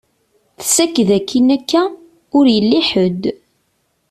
Tessaked akin akka, ur yelli ḥed.